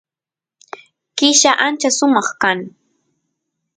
killa ancha sumaq kan